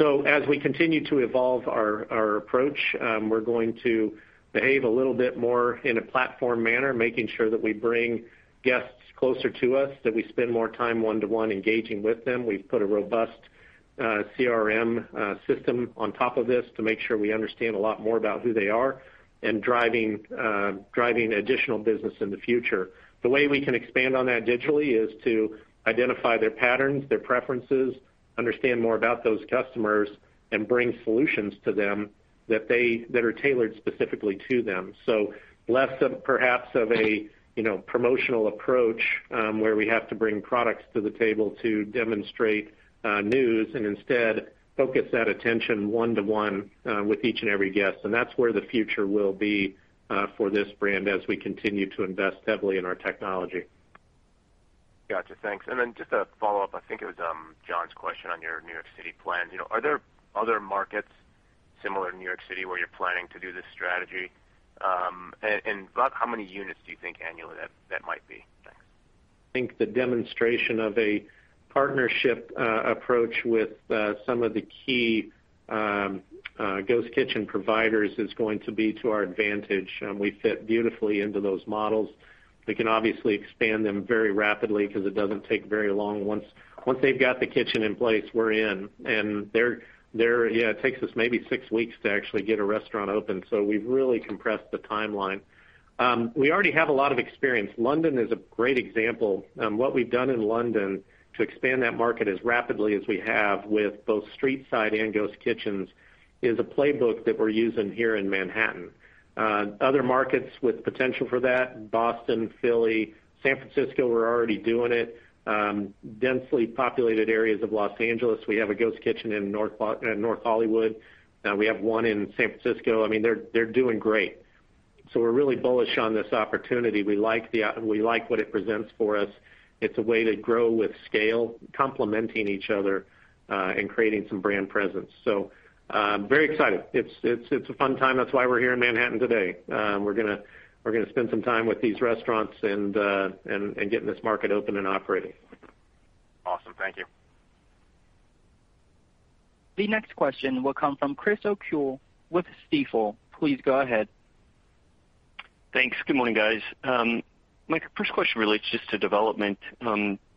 S3: As we continue to evolve our approach, we're going to behave a little bit more in a platform manner, making sure that we bring guests closer to us, that we spend more time one-to-one engaging with them. We've put a robust CRM system on top of this to make sure we understand a lot more about who they are and driving additional business in the future. The way we can expand on that digitally is to identify their patterns, their preferences, understand more about those customers, and bring solutions to them that are tailored specifically to them. Less of perhaps of a promotional approach, where we have to bring products to the table to demonstrate news, and instead focus that attention one-to-one with each and every guest. That's where the future will be for this brand as we continue to invest heavily in our technology.
S13: Got you. Thanks. Then just a follow-up, I think it was Jon's question on your New York City plans. Are there other markets similar to New York City where you're planning to do this strategy? About how many units do you think annually that might be? Thanks.
S3: I think the demonstration of a partnership approach with some of the key ghost kitchen providers is going to be to our advantage. We fit beautifully into those models. We can obviously expand them very rapidly because it doesn't take very long. Once they've got the kitchen in place, we're in. It takes us maybe six weeks to actually get a restaurant open. We've really compressed the timeline. We already have a lot of experience. London is a great example. What we've done in London to expand that market as rapidly as we have with both street-side and ghost kitchens is a playbook that we're using here in Manhattan. Other markets with potential for that, Boston, Philly, San Francisco, we're already doing it. Densely populated areas of L.A. We have a ghost kitchen in North Hollywood. We have one in San Francisco. They're doing great. We're really bullish on this opportunity. We like what it presents for us. It's a way to grow with scale, complementing each other, and creating some brand presence. Very excited. It's a fun time. That's why we're here in Manhattan today. We're going to spend some time with these restaurants and get this market open and operating.
S13: Awesome. Thank you.
S1: The next question will come from Chris O'Cull with Stifel. Please go ahead.
S14: Thanks. Good morning, guys. My first question relates just to development.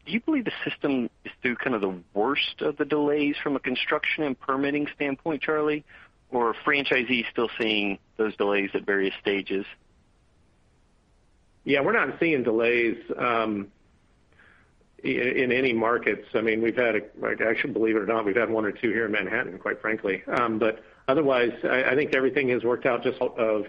S14: Do you believe the system is through kind of the worst of the delays from a construction and permitting standpoint, Charlie? Or are franchisees still seeing those delays at various stages?
S3: Yeah, we're not seeing delays in any markets. Actually, believe it or not, we've had one or two here in Manhattan, quite frankly. Otherwise, I think everything has worked out just of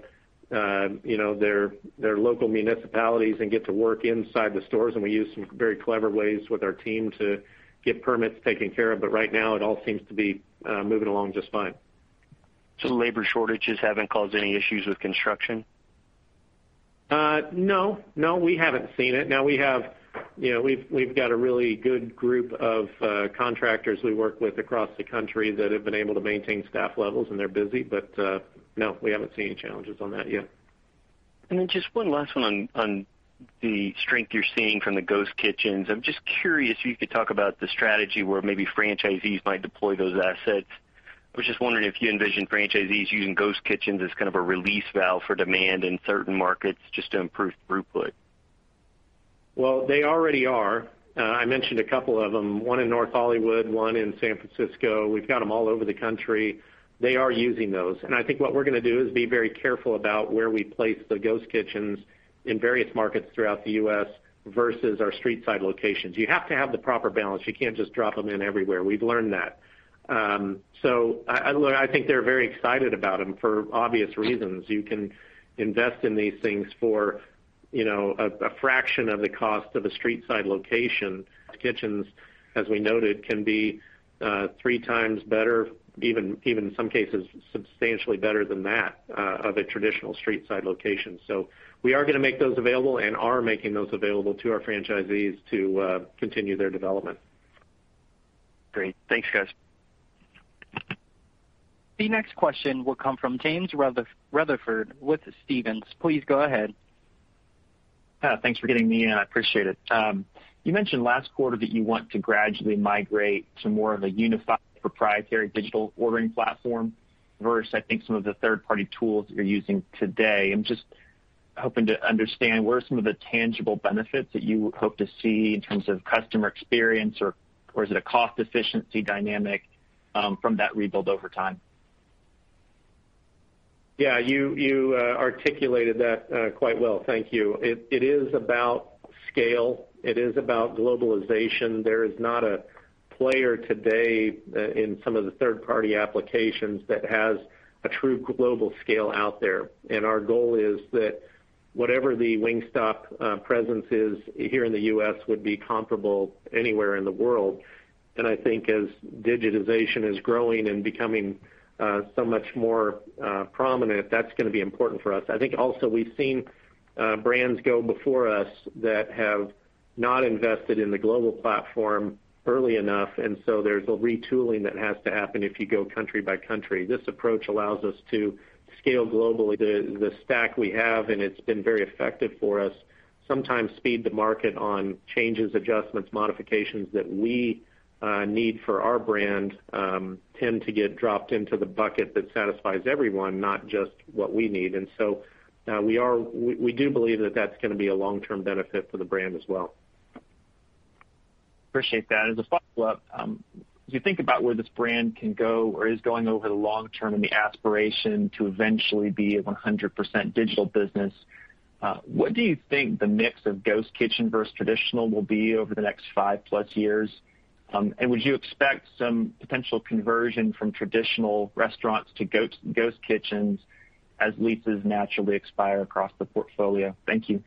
S3: their local municipalities and get to work inside the stores, and we use some very clever ways with our team to get permits taken care of. Right now, it all seems to be moving along just fine.
S14: Labor shortages haven't caused any issues with construction?
S3: No. We haven't seen it. We've got a really good group of contractors we work with across the country that have been able to maintain staff levels, and they're busy. No, we haven't seen any challenges on that yet.
S14: Just one last one on the strength you're seeing from the ghost kitchens. I'm just curious if you could talk about the strategy where maybe franchisees might deploy those assets. I was just wondering if you envision franchisees using ghost kitchens as kind of a release valve for demand in certain markets just to improve throughput.
S3: Well, they already are. I mentioned a couple of them, one in North Hollywood, one in San Francisco. We've got them all over the country. They are using those. I think what we're going to do is be very careful about where we place the ghost kitchens in various markets throughout the U.S. versus our street-side locations. You have to have the proper balance. You can't just drop them in everywhere. We've learned that. I think they're very excited about them for obvious reasons. You can invest in these things for a fraction of the cost of a street-side location. Kitchens, as we noted, can be three times better, even in some cases, substantially better than that of a traditional street-side location. We are going to make those available and are making those available to our franchisees to continue their development.
S14: Great. Thanks, guys.
S1: The next question will come from James Rutherford with Stephens. Please go ahead.
S15: Thanks for getting me in. I appreciate it. You mentioned last quarter that you want to gradually migrate to more of a unified proprietary digital ordering platform versus I think some of the third-party tools that you're using today. I'm just hoping to understand, what are some of the tangible benefits that you hope to see in terms of customer experience, or is it a cost efficiency dynamic from that rebuild over time?
S3: Yeah, you articulated that quite well. Thank you. It is about scale. It is about globalization. There is not a player today in some of the third-party applications that has a true global scale out there. Our goal is that whatever the Wingstop presence is here in the U.S. would be comparable anywhere in the world. I think as digitization is growing and becoming so much more prominent, that's going to be important for us. I think also we've seen brands go before us that have not invested in the global platform early enough. There's a retooling that has to happen if you go country by country. This approach allows us to scale globally the stack we have, and it's been very effective for us. Sometimes speed to market on changes, adjustments, modifications that we need for our brand tend to get dropped into the bucket that satisfies everyone, not just what we need. We do believe that that's going to be a long-term benefit for the brand as well.
S15: Appreciate that. As a follow-up, as you think about where this brand can go or is going over the long term and the aspiration to eventually be a 100% digital business, what do you think the mix of ghost kitchen versus traditional will be over the next five-plus years? Would you expect some potential conversion from traditional restaurants to ghost kitchens as leases naturally expire across the portfolio? Thank you.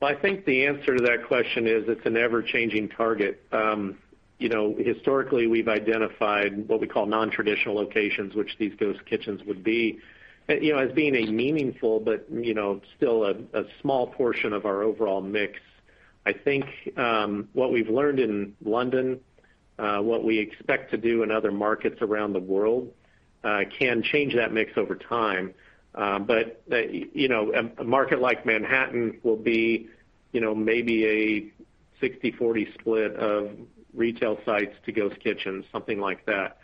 S3: Well, I think the answer to that question is it's an ever-changing target. Historically, we've identified what we call nontraditional locations, which these ghost kitchens would be, as being a meaningful but still a small portion of our overall mix. I think what we've learned in London, what we expect to do in other markets around the world can change that mix over time. A market like Manhattan will be maybe a 60/40 split of retail sites to ghost kitchens, something like that.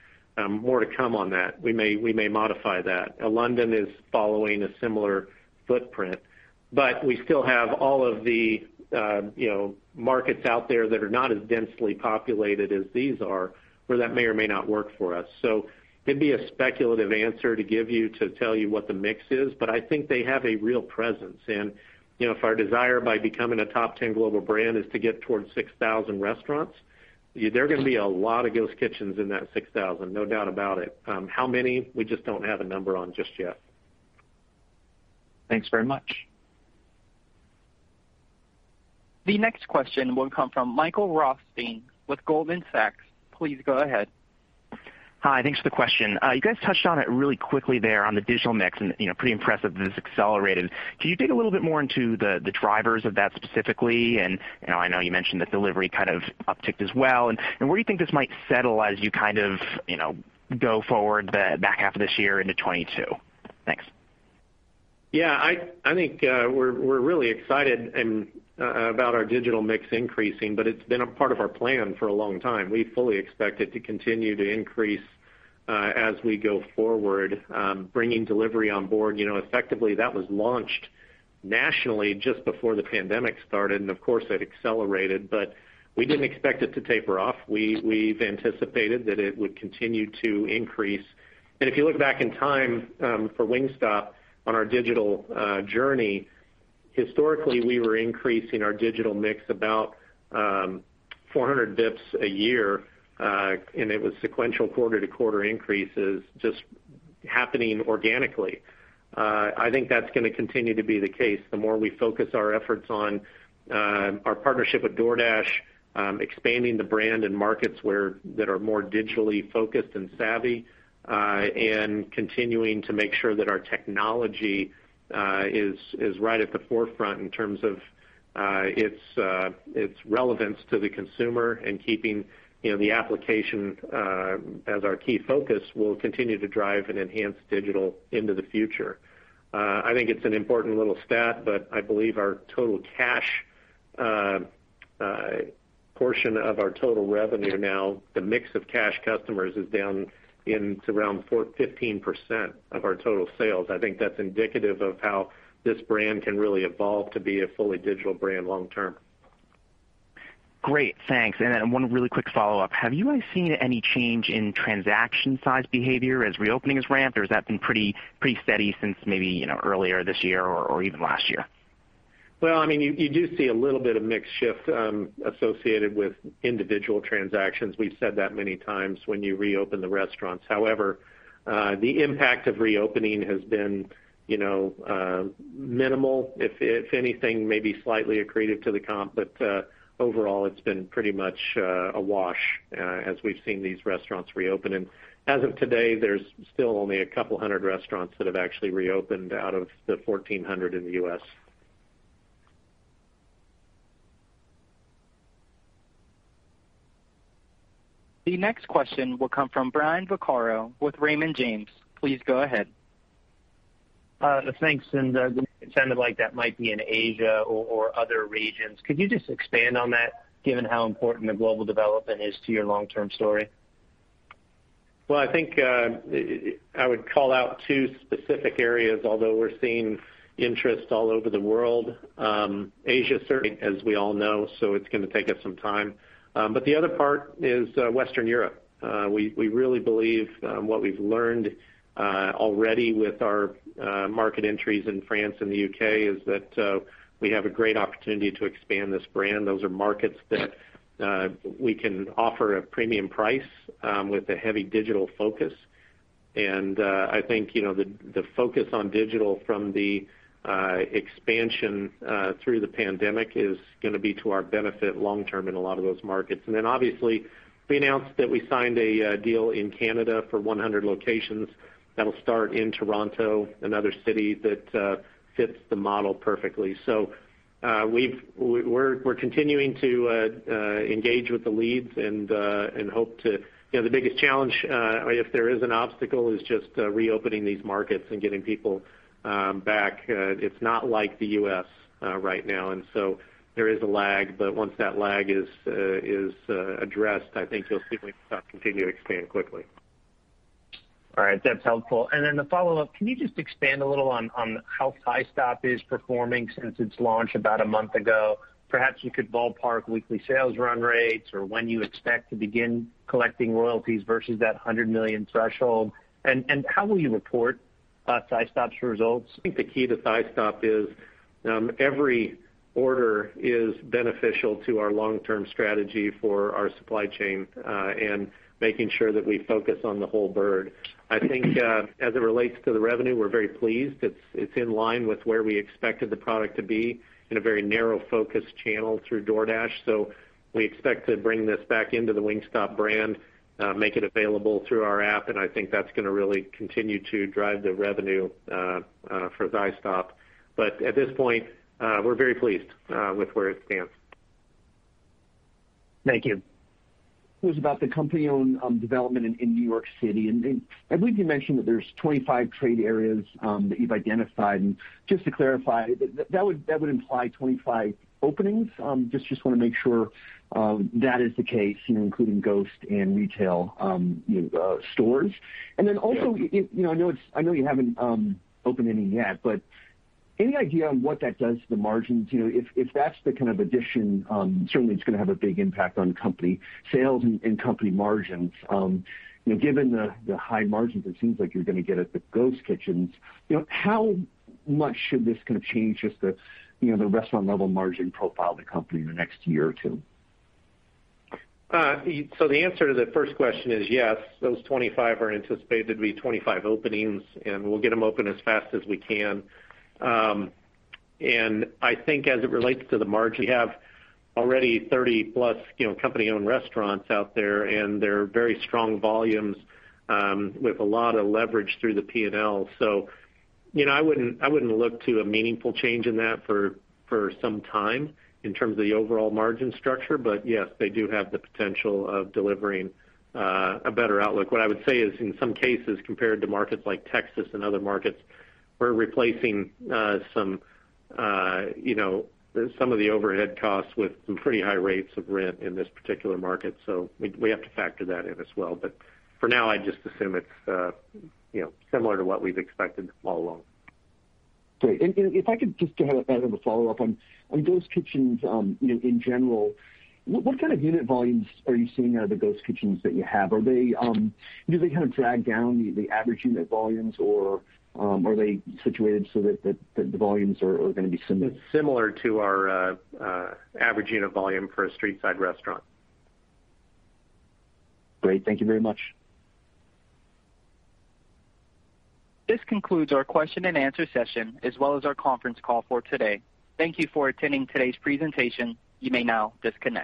S3: More to come on that. We may modify that. London is following a similar footprint, but we still have all of the markets out there that are not as densely populated as these are, where that may or may not work for us. It'd be a speculative answer to give you to tell you what the mix is, but I think they have a real presence. If our desire by becoming a top 10 global brand is to get towards 6,000 restaurants, there are going to be a lot of ghost kitchens in that 6,000, no doubt about it. How many? We just don't have a number on just yet.
S15: Thanks very much.
S1: The next question will come from Michael Rothstein with Goldman Sachs. Please go ahead.
S16: Hi. Thanks for the question. You guys touched on it really quickly there on the digital mix, and pretty impressive that it's accelerated. Can you dig a little bit more into the drivers of that specifically? I know you mentioned that delivery kind of upticked as well, and where do you think this might settle as you kind of go forward the back half of this year into 2022? Thanks.
S3: Yeah. I think we're really excited about our digital mix increasing, but it's been a part of our plan for a long time. We fully expect it to continue to increase as we go forward. Bringing delivery on board, effectively, that was launched nationally just before the pandemic started, and of course, it accelerated, but we didn't expect it to taper off. We've anticipated that it would continue to increase. If you look back in time for Wingstop on our digital journey historically, we were increasing our digital mix about 400 basis points a year, and it was sequential quarter-to-quarter increases just happening organically. I think that's going to continue to be the case the more we focus our efforts on our partnership with DoorDash, expanding the brand in markets that are more digitally focused and savvy, and continuing to make sure that our technology is right at the forefront in terms of its relevance to the consumer and keeping the application as our key focus will continue to drive and enhance digital into the future. I think it's an important little stat. I believe our total cash portion of our total revenue now, the mix of cash customers is down into around 15% of our total sales. I think that's indicative of how this brand can really evolve to be a fully digital brand long term.
S16: Great. Thanks. One really quick follow-up. Have you guys seen any change in transaction size behavior as reopening has ramped, or has that been pretty steady since maybe earlier this year or even last year?
S3: Well, you do see a little bit of mix shift associated with individual transactions. We've said that many times when you reopen the restaurants. However, the impact of reopening has been minimal. If anything, maybe slightly accretive to the comp, but overall, it's been pretty much a wash as we've seen these restaurants reopen and as of today, there's still only a couple 100 restaurants that have actually reopened out of the 1,400 in the U.S.
S1: The next question will come from Brian Vaccaro with Raymond James. Please go ahead.
S17: Thanks. It sounded like that might be in Asia or other regions. Could you just expand on that, given how important the global development is to your long-term story?
S3: Well, I think I would call out two specific areas, although we're seeing interest all over the world. Asia, certainly, as we all know, so it's going to take us some time. The other part is Western Europe. We really believe what we've learned already with our market entries in France and the U.K. is that we have a great opportunity to expand this brand. Those are markets that we can offer a premium price with a heavy digital focus. I think the focus on digital from the expansion through the pandemic is going to be to our benefit long term in a lot of those markets. Obviously, we announced that we signed a deal in Canada for 100 locations that'll start in Toronto, another city that fits the model perfectly. We're continuing to engage with the leads. The biggest challenge, if there is an obstacle, is just reopening these markets and getting people back. It's not like the U.S. right now, and so there is a lag, but once that lag is addressed, I think you'll see Wingstop continue to expand quickly.
S17: All right, that's helpful. The follow-up, can you just expand a little on how Thighstop is performing since its launch about a month ago? Perhaps you could ballpark weekly sales run rates or when you expect to begin collecting royalties versus that $100 million threshold. How will you report Thighstop's results?
S3: I think the key to Thighstop is every order is beneficial to our long-term strategy for our supply chain, and making sure that we focus on the whole bird. I think as it relates to the revenue, we're very pleased. It's in line with where we expected the product to be in a very narrow focus channel through DoorDash. We expect to bring this back into the Wingstop brand, make it available through our app, and I think that's going to really continue to drive the revenue for Thighstop. At this point, we're very pleased with where it stands.
S17: Thank you. This is about the company-owned development in New York City. I believe you mentioned that there's 25 trade areas that you've identified. Just to clarify, that would imply 25 openings? Just want to make sure that is the case, including ghost and retail stores. Then also, I know you haven't opened any yet, but any idea on what that does to the margins? If that's the kind of addition, certainly it's going to have a big impact on company sales and company margins. Given the high margins it seems like you're going to get at the ghost kitchens, how much should this kind of change the restaurant level margin profile of the company in the next year or two?
S3: The answer to the first question is yes, those 25 are anticipated to be 25 openings, and we'll get them open as fast as we can. I think as it relates to the margin, we have already 30+ company-owned restaurants out there, and they're very strong volumes with a lot of leverage through the P&L. I wouldn't look to a meaningful change in that for some time in terms of the overall margin structure. Yes, they do have the potential of delivering a better outlook. What I would say is in some cases, compared to markets like Texas and other markets, we're replacing some of the overhead costs with some pretty high rates of rent in this particular market. We have to factor that in as well. For now, I just assume it's similar to what we've expected all along.
S17: Great. If I could just add a follow-up on ghost kitchens in general, what kind of unit volumes are you seeing out of the ghost kitchens that you have? Do they kind of drag down the average unit volumes, or are they situated so that the volumes are going to be similar?
S3: It's similar to our average unit volume for a street-side restaurant.
S17: Great. Thank you very much.
S1: This concludes our question and answer session, as well as our conference call for today. Thank you for attending today's presentation. You may now disconnect.